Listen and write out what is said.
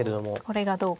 これがどうか。